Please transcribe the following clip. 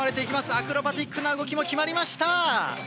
アクロバティックな動きも決まりました。